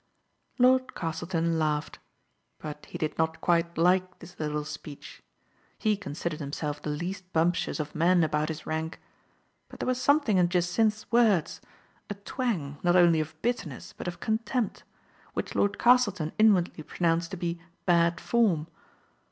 Lord Castleton laughed. But he did not quite like this little speech. He considered himself the least bumptious of men about his rank. But there was something in Jacynth's words — a twang, not only of bitterness, but of contempt — which Lord Castleton inwardly pronounced to be " bad form."